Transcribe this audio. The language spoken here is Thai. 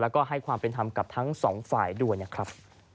แล้วก็ให้ความเป็นธรรมกับทั้งสองฝ่ายด้วยนะครับ